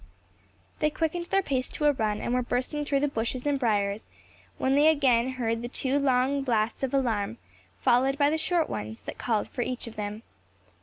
They quickened their pace to a run, and were bursting through the bushes and briers, when they again heard the two long blasts of alarm, followed by the short ones, that called for each of them.